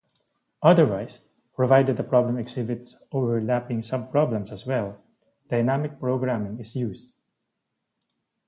Otherwise, provided the problem exhibits overlapping subproblems as well, dynamic programming is used.